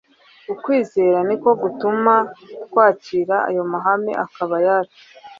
Ukwizera ni ko gutuma twakira ayo mahame akaba ayacu.